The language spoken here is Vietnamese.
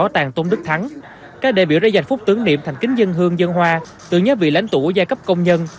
thành kính dân hương dân hoa tự nhớ vị lãnh tụ giai cấp công nhân